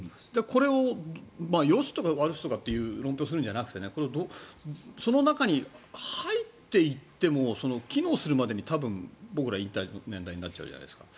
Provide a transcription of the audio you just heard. これをよしとか悪しって論評するんじゃなくてその中に入っていっても機能するまでに多分、僕ら引退の年代になっちゃうじゃないですか。